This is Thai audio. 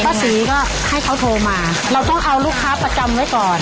ศรีก็ให้เขาโทรมาเราต้องเอาลูกค้าประจำไว้ก่อน